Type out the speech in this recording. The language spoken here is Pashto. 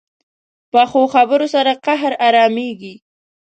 پخو خبرو سره قهر ارامېږي